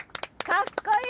かっこいい！